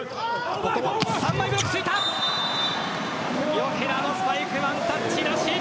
ヨケラのスパイクワンタッチなし。